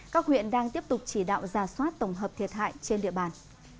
các huyện đang tiếp tục chỉ đạo giả soát tổng hợp thiệt hại trên địa bàn